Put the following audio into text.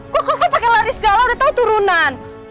kok kok kok pake lari segala udah tau turunan